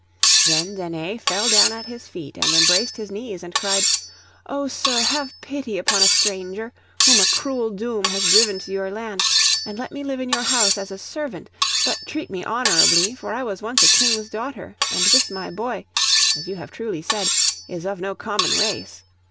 Then Danae fell down at his feet, and embraced his knees, and cried— 'Oh, sir, have pity upon a stranger, whom a cruel doom has driven to your land; and let me live in your house as a servant; but treat me honourably, for I was once a king's daughter, and this my boy (as you have truly said) is of no common race.